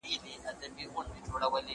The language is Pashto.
زه اوس شګه پاکوم؟